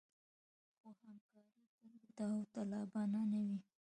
خو همکاري تل داوطلبانه نه وه.